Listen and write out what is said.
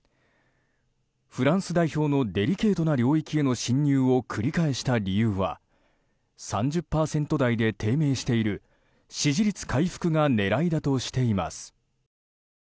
フランス代表のデリケートな領域への侵入を繰り返した理由は３０％台で低迷している支持率回復が狙いだとしています。